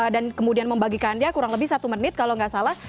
dan kemudian membagikannya kurang lebih satu menit kalau nggak salah